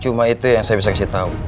cuma itu yang saya bisa kasih tahu